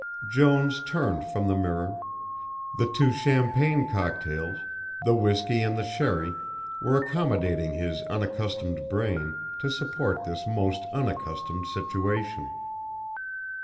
Jones turned from the mirror, the two champagne cocktails, the whisky and the sherry were accommodating his unaccustomed brain to support this most unaccustomed situation.